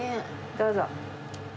どうぞ。